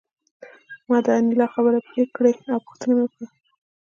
ما د انیلا خبرې پرې کړې او پوښتنه مې وکړه